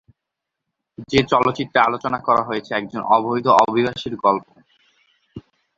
যে চলচ্চিত্রে আলোচনা করা হয়েছে, একজন অবৈধ অভিবাসীর গল্প।